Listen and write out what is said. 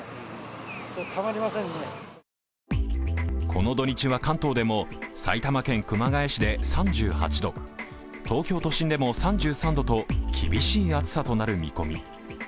この土日は関東でも埼玉県熊谷市で３８度東京都心でも３３度と、厳しい暑さとなる見込み。